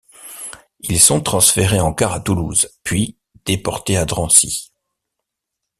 Ils sont transférés en car à Toulouse, puis déportés à Drancy.